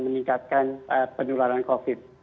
meningkatkan pendularan covid